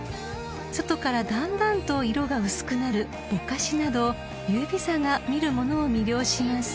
［外からだんだんと色が薄くなるぼかしなど優美さが見る者を魅了します］